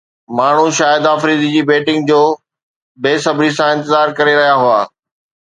ماڻهو شاهد آفريدي جي بيٽنگ جو بي صبري سان انتظار ڪري رهيا هئا